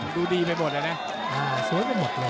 ดูดีไปหมดเอนเนี่ย